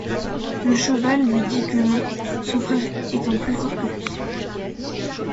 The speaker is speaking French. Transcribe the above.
Le cheval lui dit que non, son frère étant plus fort que lui.